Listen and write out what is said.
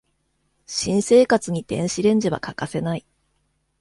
新生活に電子レンジは欠かせない